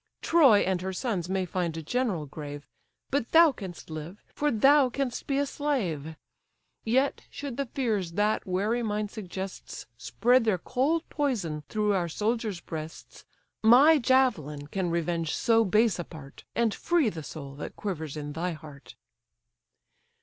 Troy and her sons may find a general grave, But thou canst live, for thou canst be a slave. Yet should the fears that wary mind suggests Spread their cold poison through our soldiers' breasts, My javelin can revenge so base a part, And free the soul that quivers in thy heart."